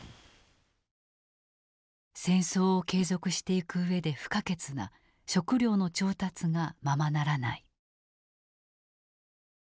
戦争を継続していく上で不可欠な食糧の調達がままならない。